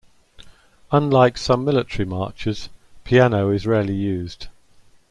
Unlike some military marches, piano is rarely used.